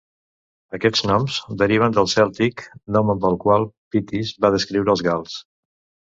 Aquests noms deriven del Cèltic nom amb el qual Pitees va descriure els gals.